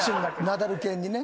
ナダル犬にね。